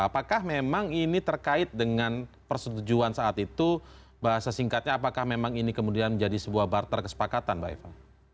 apakah memang ini terkait dengan persetujuan saat itu bahasa singkatnya apakah memang ini kemudian menjadi sebuah barter kesepakatan mbak eva